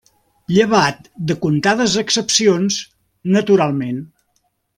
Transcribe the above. Llevat de comptades excepcions, naturalment.